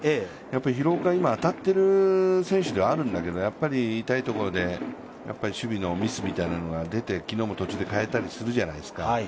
廣岡は当たっている選手ではあるんですけど、痛いところで守備のミスみたいなものが出て、昨日も途中でかえたりするじゃないですか。